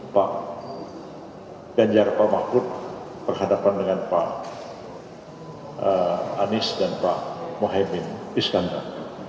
pak ganjar pak mahfud berhadapan dengan pak anies dan pak mohaimin iskandar